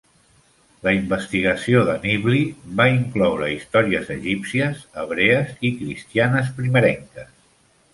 La investigació de Nibley va incloure històries egípcies, hebrees i cristianes primerenques.